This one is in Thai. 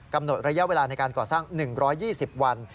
ระยะเวลาในการก่อสร้าง๑๒๐วัน